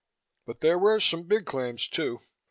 But there were some big claims, too.